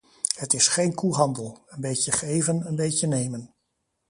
Het is geen koehandel: een beetje geven, een beetje nemen.